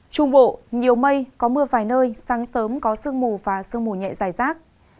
trung bộ nhiều mây có mưa vài nơi sáng sớm có sương mù và sương mù nhẹ dài rác